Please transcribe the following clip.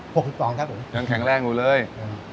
สิบสี่สองทับผมยังแข็งแรงพูดเลยอืม